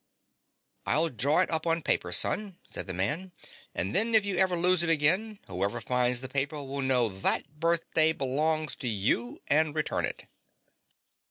"I'll draw it up on paper, son," said the man, "and then if you ever lose it again, whoever finds the paper will know that birthday belongs to you and return it."